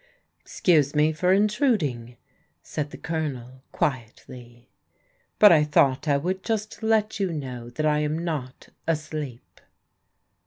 " Excuse me for intruding," said the Colonel quietly, " but I thought I would just let you know that I am not asleep."